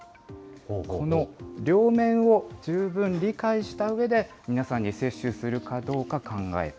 この両面を十分理解したうえで皆さんに接種するかどうか考えて